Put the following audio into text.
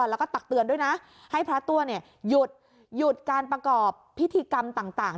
แล้วก็ตักเตือนด้วยนะให้พระตัวหยุดการประกอบพิธีกรรมต่าง